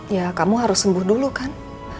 ya kamu harus sembuh dulu kan